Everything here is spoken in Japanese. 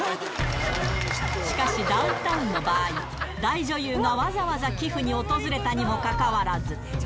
しかし、ダウンタウンの場合、大女優がわざわざ寄付に訪れたにもかかわらず。